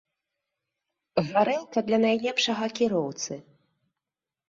Гарэлка для найлепшага кіроўцы.